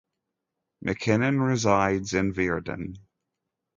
McKinnon resides in Virden.